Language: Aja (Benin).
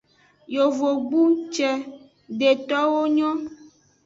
Yovogbu ce:detowo nyon.